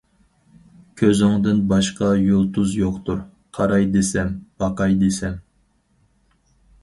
كۆزۈڭدىن باشقا يۇلتۇز يوقتۇر، قاراي دېسەم، باقاي دېسەم.